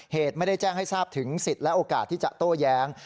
เหตุไม่ได้แจ้งให้ทราบถึงสิทธิ์และโอกาสที่จะโต้แย้ง